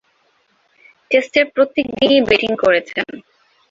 টেস্টের প্রত্যেক দিনেই ব্যাটিং করেছেন।